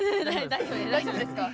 大丈夫ですか。